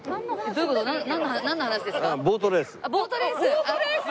ボートレース！